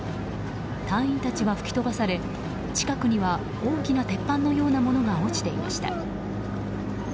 隊員たちは吹き飛ばされ近くには大きな鉄板のようなものが落ちていました。